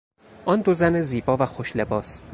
آن دو زن زیبا و خوش لباس